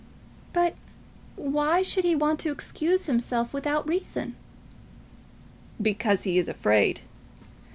"But why should he want to excuse himself without reason?" "Because he is afraid.